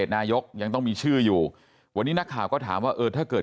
นายกยังต้องมีชื่ออยู่วันนี้นักข่าวก็ถามว่าเออถ้าเกิด